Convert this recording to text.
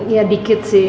ya dikit sih